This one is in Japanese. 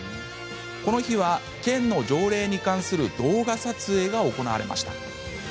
この日は県の条例に関する動画撮影が行われました。